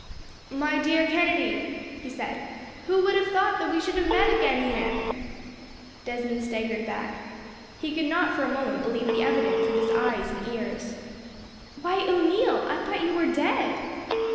"My dear Kennedy," he said, "who would have thought that we should have met again here!" Desmond staggered back. He could not, for a moment, believe the evidence of his eyes and ears. "Why, O'Neil, I thought you were dead."